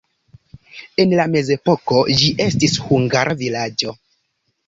En la mezepoko ĝi estis hungara vilaĝo.